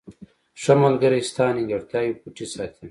• ښه ملګری ستا نیمګړتیاوې پټې ساتي.